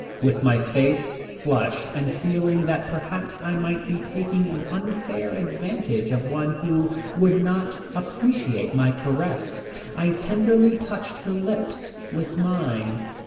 With my face flushed and feeling that perhaps I might be taking an unfair advantage of one who would not appreciate my caress, I tenderly touched her lips with mine.